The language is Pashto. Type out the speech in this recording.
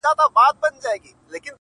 ما په ژړغوني اواز دا يــوه گـيـله وكړه،